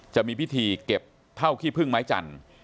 จะมีพิธีเก็บเท่าขี้พึ่งไม้จันทร์